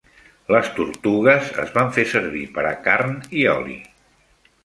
Les tortugues es van fer servir per a carn i oli.